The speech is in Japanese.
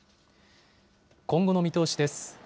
今後の見通しです。